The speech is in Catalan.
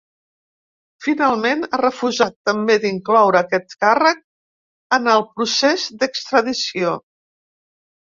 Finalment, ha refusat també d’incloure aquest càrrec en el procés d’extradició.